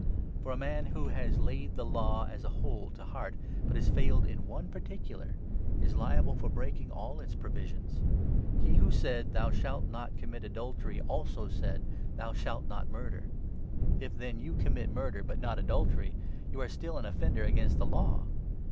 For a man who 10 has laid the Law, as a whole, to heart, but has failed in one particular, is liable for breaking all its provisions. He who said 1 1 ' Thou shalt not commit adultery ' also said ' Thou shalt not murder.' If, then, you commit murder but not adultery, you are still an offender against the Law.